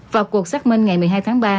vào cuộc xác minh ngày một mươi hai tháng ba